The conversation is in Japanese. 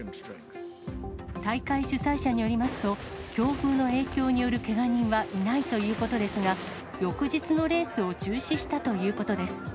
大会主催者によりますと、強風の影響によるけが人はいないということですが、翌日のレースを中止したということです。